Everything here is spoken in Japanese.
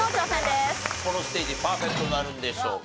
このステージパーフェクトなるんでしょうか？